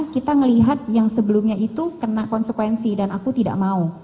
kita melihat yang sebelumnya itu kena konsekuensi dan aku tidak mau